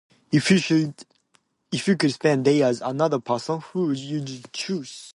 If you should- If you could spend day as another person, who would you ch- choose?